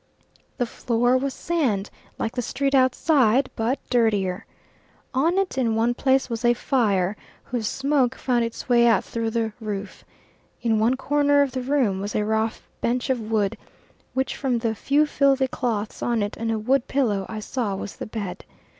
The floor was sand like the street outside, but dirtier. On it in one place was a fire, whose smoke found its way out through the roof. In one corner of the room was a rough bench of wood, which from the few filthy cloths on it and a wood pillow I saw was the bed.